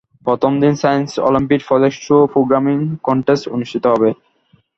প্রথমদিন science olympiad, project show, programming contest অনুষ্ঠিত হবে।